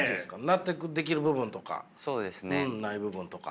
納得できる部分とかない部分とか。